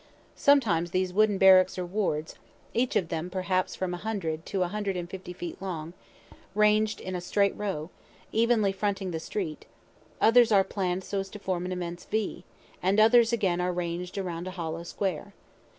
Sometimes these wooden barracks or wards, each of them perhaps from a hundred to a hundred and fifty feet long, are rang'd in a straight row, evenly fronting the street; others are plann'd so as to form an immense V; and others again are ranged around a hollow square.